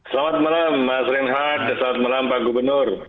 selamat malam mas renhat selamat malam pak gubernur